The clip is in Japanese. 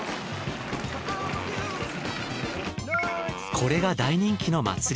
これが大人気の祭り